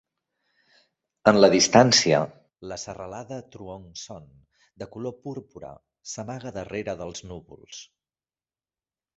En la distància, la serralada Truong Son, de color púrpura, s'amaga darrere dels núvols.